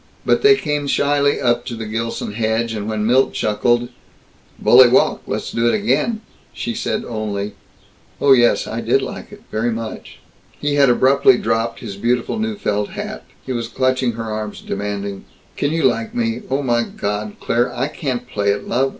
But they came shyly up to the Gilson hedge, and when Milt chuckled, "Bully walk; let's do it again," she said only, "Oh, yes, I did like it. Very much." He had abruptly dropped his beautiful new felt hat. He was clutching her arms, demanding, "Can you like me? Oh my God, Claire, I can't play at love.